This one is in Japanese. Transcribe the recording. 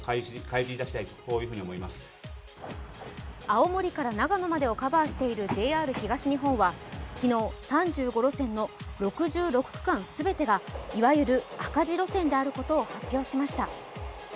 青森から長野までをカバーしているＪＲ東日本は昨日、３５路線の６６区間全てがいわゆる赤字路線であることを発表しました。